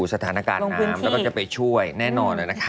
สถานการณ์น้ำแล้วก็จะไปช่วยแน่นอนเลยนะคะ